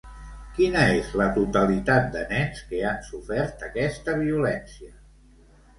Quina és la totalitat de nens que han sofert aquesta violència?